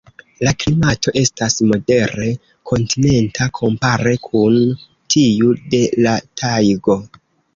La klimato estas modere kontinenta kompare kun tiu de la tajgo.